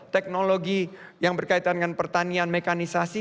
teknologi yang berkaitan dengan pertanian mekanisasi